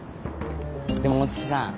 でも大月さん